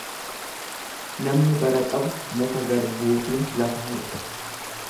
Namni bara qabu muka garbuutiin lafa horda.